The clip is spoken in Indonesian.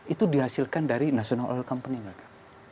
itu dihasilkan dari national oil company mereka